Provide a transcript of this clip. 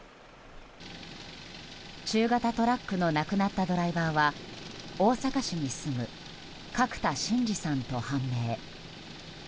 中型トラックの亡くなったドライバーは大阪市に住む角田進治さんと判明。